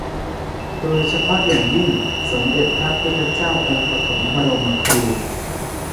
โดยเฉพาะอย่างยิ่ง สมเด็จพระพุทธเจ้าองค์ปฐมบรมครู